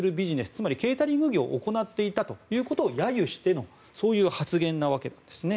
つまりケータリング業を行っていたということを揶揄しての発言なわけなんですね。